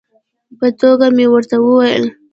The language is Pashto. په ټوکه مې ورته وویل.